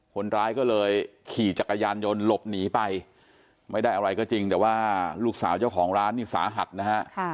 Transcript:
คนร้ายก็เลยขี่จักรยานยนต์หลบหนีไปไม่ได้อะไรก็จริงแต่ว่าลูกสาวเจ้าของร้านนี่สาหัสนะฮะ